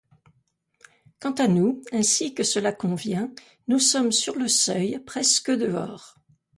Quant à nous, ainsi que cela convient, nous sommes sur le seuil, presque dehors.